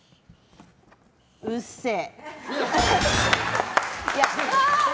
うっせえ！！